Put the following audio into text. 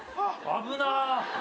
危な。